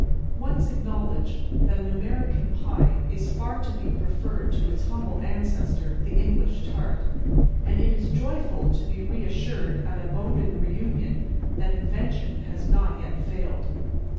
Once acknowledge that an American pie is far to be preferred to its humble ancestor, the English tart, and it is joyful to be reassured at a Bowden reunion that invention has not yet failed.